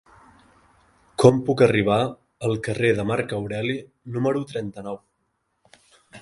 Com puc arribar al carrer de Marc Aureli número trenta-nou?